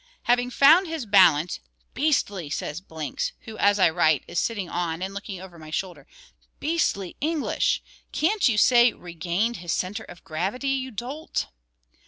] Having found his balance ["Beastly!" says Blinks, who, as I write, is sitting on and looking over my shoulder, "beastly English! Can't you say, 'regained his centre of gravity,' you dolt."